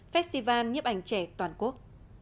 festival nhấp ảnh trẻ toàn quốc